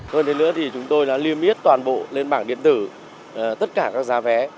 hơn thế nữa thì chúng tôi liêm yết toàn bộ lên bảng điện tử tất cả các giá vé